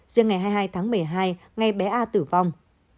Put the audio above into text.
riêng ngày hai mươi hai tháng một mươi hai ngay bé a tử vong